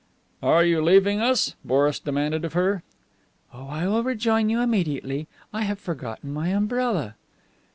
"Are you leaving us?" Boris demanded of her. "Oh, I will rejoin you immediately. I have forgotten my umbrella."